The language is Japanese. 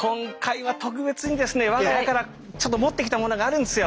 我が家からちょっと持ってきたものがあるんですよ。